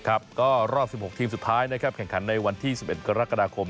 ก็รอบ๑๖ทีมสุดท้ายนะครับแข่งขันในวันที่๑๑กรกฎาคม